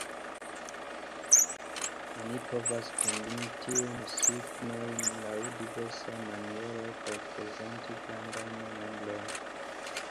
Oni povas kombini tiujn signojn laŭ diversaj manieroj por prezenti grandajn nombrojn.